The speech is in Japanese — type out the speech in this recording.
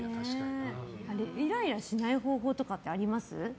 イライラしない方法とかあります？